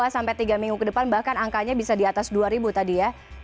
lima sampai tiga minggu ke depan bahkan angkanya bisa di atas dua ribu tadi ya